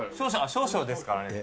少々ですから。